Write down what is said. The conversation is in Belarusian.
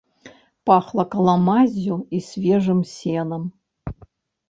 Пахла каламаззю і свежым сенам.